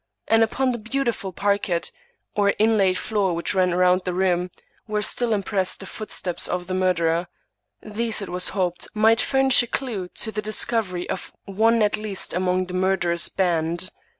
And upon the beautiful parquet, or inlaid floor which ran round the room, were still impressed the footsteps of the murderer. These, it was hoped, might furnish a clew to the discovery of one at least among the murderous band.